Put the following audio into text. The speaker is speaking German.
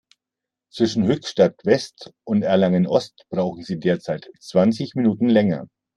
Zwischen Höchstadt-West und Erlangen-Ost brauchen Sie derzeit zwanzig Minuten länger.